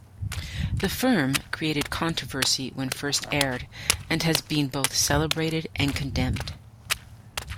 "The Firm" created controversy when first aired, and has been both celebrated and condemned.